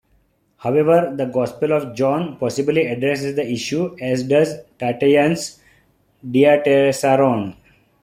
However, the gospel of John possibly addresses the issue, as does Tatian's "Diatessaron".